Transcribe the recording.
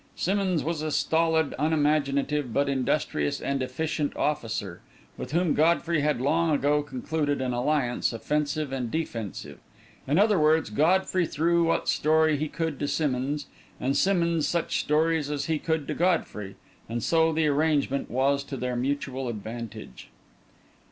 Simmonds was a stolid, unimaginative, but industrious and efficient officer, with whom Godfrey had long ago concluded an alliance offensive and defensive. In other words, Godfrey threw what glory he could to Simmonds, and Simmonds such stories as he could to Godfrey, and so the arrangement was to their mutual advantage.